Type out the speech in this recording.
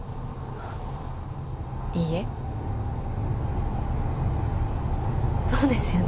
いいえそうですよね